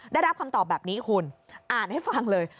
ได้รับคำตอบแบบนี้คุณอ่านให้ฟังเลย